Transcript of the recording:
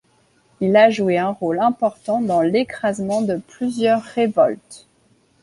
Il a joué un rôle important dans l'écrasement de plusieurs révoltes.